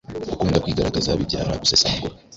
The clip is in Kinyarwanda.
Gukunda kwigaragaza bibyara gusesagura,